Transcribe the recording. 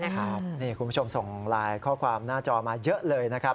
คุณผู้ชมส่งไลน์ข้อความหน้าจอมาเยอะเลยนะครับ